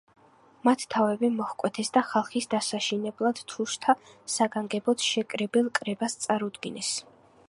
მათ თავები მოჰკვეთეს და ხალხის დასაშინებლად თუშთა საგანგებოდ შეკრებილ კრებას წარუდგინეს.